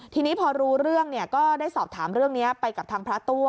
ทีนี้พอรู้เรื่องก็ได้สอบถามเรื่องนี้ไปกับทางพระตัว